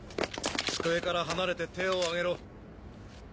机から離れて手を上げろ。